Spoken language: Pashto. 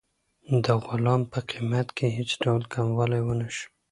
د غلام په قیمت کې هېڅ ډول کموالی ونه شو.